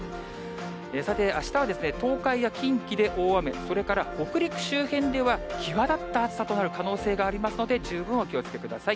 さて、あしたは東海や近畿で大雨、それから北陸周辺では際立った暑さとなる可能性がありますので、十分お気をつけください。